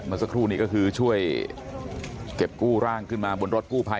สักครู่นี้ก็คือช่วยเก็บกู้ร่างขึ้นมาบนรถกู้ภัย